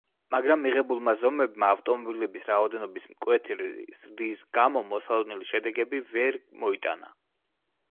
მაგრამ, მიღებულმა ზომებმა ავტომობილების რაოდენობის მკვეთრი ზრდის გამო, მოსალოდნელი შედეგები ვერ მოიტანა.